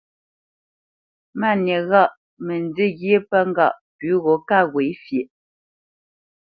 Máni ghâʼ mə nzî ghyé pə ŋgâʼ pʉ̌ gho ká ghwě fyeʼ.